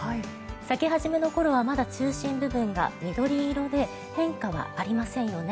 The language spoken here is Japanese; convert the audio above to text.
咲き始めの頃はまだ中心部分が緑色で変化はありませんよね。